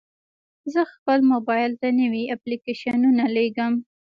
زه خپل موبایل ته نوي اپلیکیشنونه لګوم.